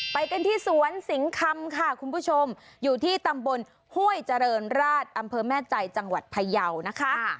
ไปกันที่สวนสิงคำค่ะคุณผู้ชมอยู่ที่ตำบลห้วยเจริญราชอำเภอแม่ใจจังหวัดพยาวนะคะ